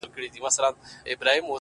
كه بې وفا سوې گراني ؛